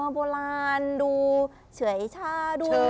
โบราณดูเฉยชาดู